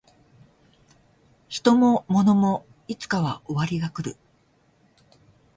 人も物もいつかは終わりが来る